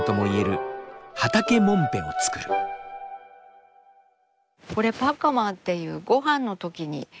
これパッカマーっていうごはんのときに下に敷く布。